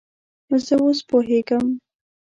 زه اوس پوهیږم